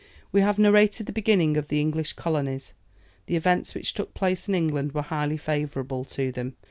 We have narrated the beginning of the English colonies. The events which took place in England were highly favourable to them.